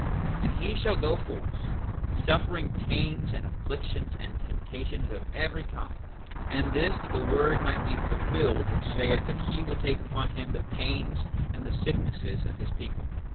7:11 And he shall go forth, suffering pains and afflictions and temptations of every kind; and this that the word might be fulfilled which saith he will take upon him the pains and the sicknesses of his people.